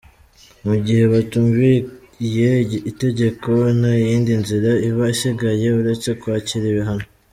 Mu gihe batumviye itegeko ntayindi nzira iba isigaye uretse kwakira ibihano.